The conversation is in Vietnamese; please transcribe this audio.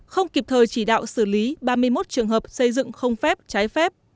không kịp thời chỉ đạo xử lý ba mươi một trường hợp xây dựng không phép trái phép